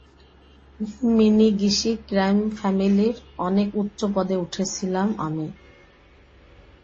মিনিগিশি crime ফ্যামিলির অনেক উচ্চপদে উঠেছিলাম আমি।